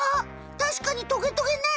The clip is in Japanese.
たしかにトゲトゲない！